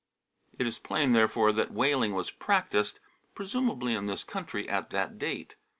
It is plain, therefore, that whaling was practised, presumably in this country, at that date.